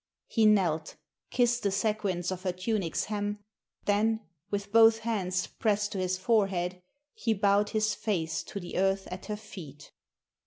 He knelt, kissed the sequins on her tunic's hem, then, with both hands pressed to his forehead, he bowed his face to the earth at her feet.